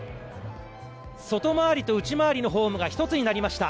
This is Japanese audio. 外回りと内回りのホームが１つになりました。